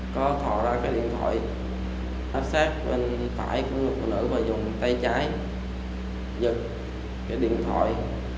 có thọ cái điện thoại áp sát bên phải của một phụ nữ và dùng tay trái giật cái điện thoại